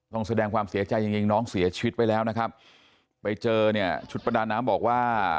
แต่วันนี้เนี่ยชุดประดานน้ำบอกว่า